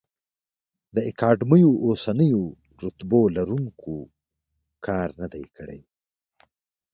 د اکاډمیو د اوسنیو رتبو لروونکي کار نه دی کړی.